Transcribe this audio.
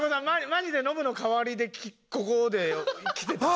マジでノブの代わりでここで来てた？